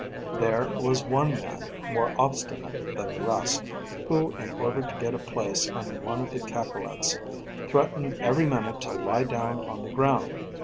There was one man more obstinate than the rest, who, in order to get a place on one of the cacolets, threatened every minute to lie down on the ground.